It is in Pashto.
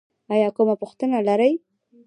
ایا کومه پوښتنه لرئ؟